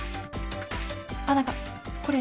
あっ何かこれ。